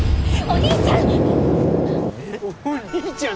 お兄ちゃん！